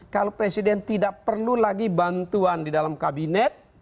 kalau presiden tidak perlu lagi bantuan di dalam kabinet